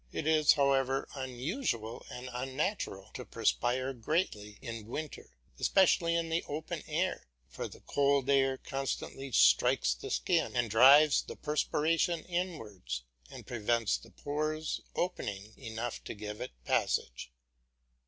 It is, however, unusual and unnatural to perspire greatly in winter, especially in the open air, for the cold air constantly strikes the skin and drives the perspiration inwards, and prevents the pores opening enough to give it passage.